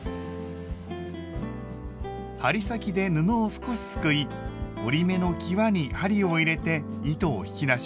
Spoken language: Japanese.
針先で布を少しすくい折り目のきわに針を入れて糸を引き出します。